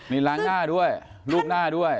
นี่ล้างหน้าด้วยรูปหน้าด้วย